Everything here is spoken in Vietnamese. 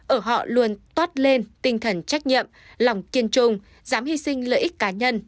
ở họ luôn tót lên tinh thần trách nhiệm lòng kiên trung dám hi sinh lợi ích cá nhân